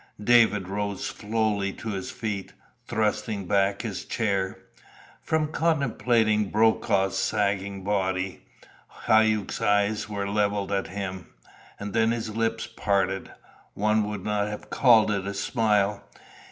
David rose slowly to his feet, thrusting back his chair. From contemplating Brokaw's sagging body, Hauck's eyes were levelled at him. And then his lips parted. One would not have called it a smile.